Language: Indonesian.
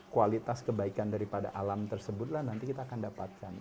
kualitas kebaikan daripada alam tersebutlah nanti kita akan dapatkan